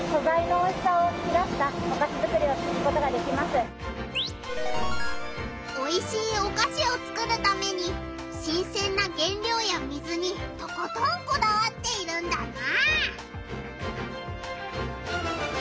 よりおいしいおかしをつくるために新せんな原料や水にとことんこだわっているんだな。